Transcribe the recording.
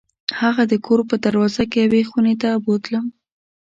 هغه د کور په دروازه کې یوې خونې ته بوتلم.